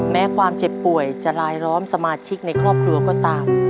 แม้ความเจ็บป่วยจะลายล้อมสมาชิกในครอบครัวก็ตาม